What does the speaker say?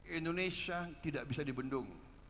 indonesia tidak bisa dibendung